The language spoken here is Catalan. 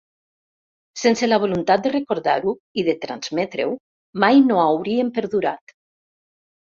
Sense la voluntat de recordar-ho i de transmetre-ho, mai no hauríem perdurat.